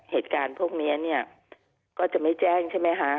เหตุการณ์พวกนี้เนี่ยก็จะไม่แจ้งใช่ไหมคะ